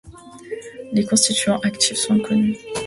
Les constituants actifs sont inconnus.